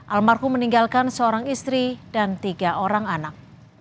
almarhum meninggalkan seorang istri dan tiga orang anak